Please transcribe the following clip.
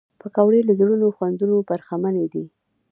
پکورې له زړو خوندونو برخمنې دي